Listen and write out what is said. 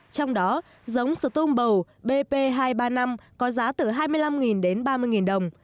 trong đó giống sừ tôm bầu bp hai trăm ba mươi năm có giá từ hai mươi năm đến ba mươi đồng